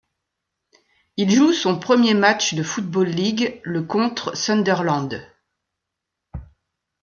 Il joue son premier match de Football League le contre Sunderland.